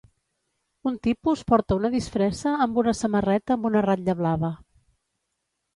Un tipus porta una disfressa amb una samarreta amb una ratlla blava